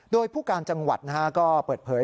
โดยผู้การจังหวัดก็เปิดเผย